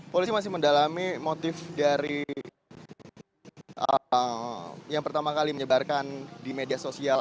polisi masih mendalami motif dari yang pertama kali menyebarkan di media sosial